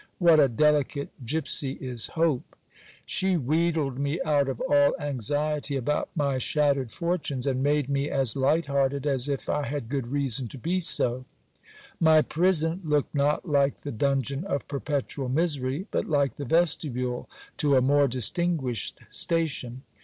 What a delicate gipsy is hope ! She wheedled me out of all anxiety about my shattered fortunes, and made me as | light hearted as if I had good reason to be so. My prison looked not like the dungeon of perpetual misery, but like the vestibule to a more distinguished station.